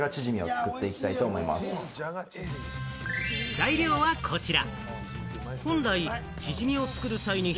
材料はこちら。